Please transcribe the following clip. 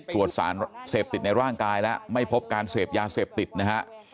ตรวจสารเสพติดในร่างกายแล้วไม่พบการเสพยาเสพติดนะฮะ